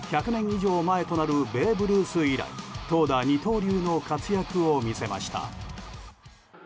以上前となるベーブ・ルース以来投打二刀流の活躍を見せました。